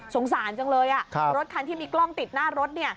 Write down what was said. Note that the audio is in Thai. สารจังเลยรถคันที่มีกล้องติดหน้ารถเนี่ย